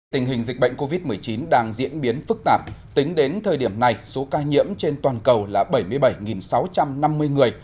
tình hình dịch bệnh covid một mươi chín đang diễn biến phức tạp tính đến thời điểm này số ca nhiễm trên toàn cầu là bảy mươi bảy sáu trăm năm mươi người